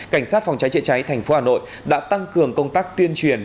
cảnh sát phòng cháy chữa cháy thành phố hà nội đã tăng cường công tác tuyên truyền